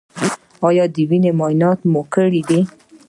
ایا د وینې معاینه مو کړې ده؟